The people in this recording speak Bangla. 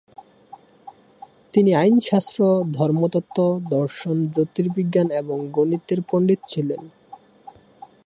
তিনি আইনশাস্ত্র, ধর্মতত্ত্ব, দর্শন, জ্যোতির্বিজ্ঞান এবং গণিতের পণ্ডিত ছিলেন।